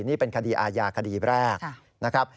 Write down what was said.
นี่เป็นคดีอาญาคดีแรก